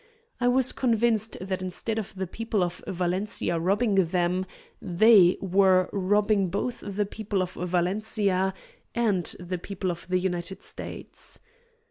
I was convinced that instead of the people of Valencia robbing them, they were robbing both the people of Valencia and the people of the United States.